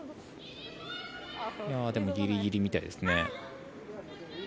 でもギリギリみたいですね。